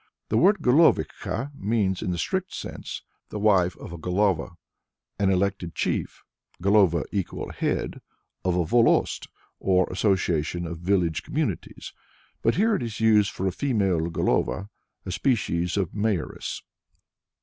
The word Golovikha means, in its strict sense, the wife of a Golova, or elected chief [Golova = head] of a Volost, or association of village communities; but here it is used for a "female Golova," a species of "mayoress."